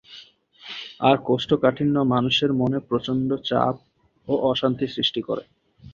আর কোষ্ঠকাঠিন্য মানুষের মনে প্রচণ্ড চাপ ও অশান্তি সৃষ্টি করে।